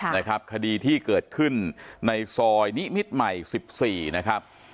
ค่ะนะครับคดีที่เกิดขึ้นในซอยนิมิศไหมสิบสี่นะครับ